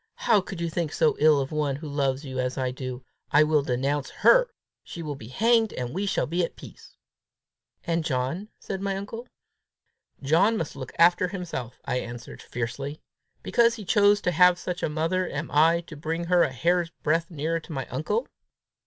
"How can you think so ill of one who loves you as I do! I will denounce her! She will be hanged, and we shall be at peace!" "And John?" said my uncle. "John must look after himself!" I answered fiercely. "Because he chooses to have such a mother, am I to bring her a hair's breadth nearer to my uncle!